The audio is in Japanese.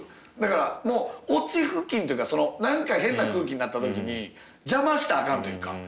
だから落ち付近というか何か変な空気になった時に邪魔したらあかんというか。